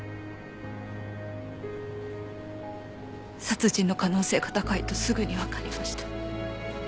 殺人の可能性が高いとすぐにわかりました。